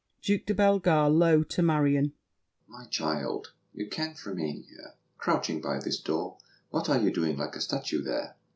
DUKE DE BELLEGARDE (low to Marion). My child, You can't remain here, crouching by this door; What are you doing like a statue there?